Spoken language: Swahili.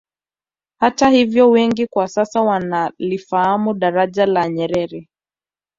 Hata hivyo wengi kwa sasa wanalifahamu Daraja la Nyerere